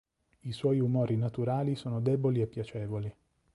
I suoi umori naturali sono deboli e piacevoli.